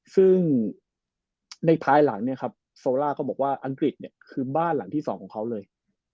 ซึ่งในภายหลังเนี่ยครับโซล่าก็บอกว่าอังกฤษเนี่ยคือบ้านหลังที่สองของเขาเลย